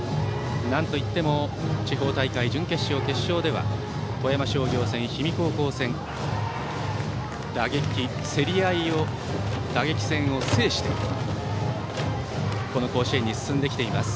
なんといっても地方大会の決勝、準決勝では富山商業戦、氷見高校戦打撃戦、競り合いを制してこの甲子園に進んできています。